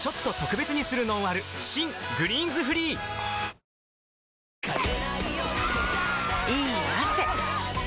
新「グリーンズフリー」いい汗。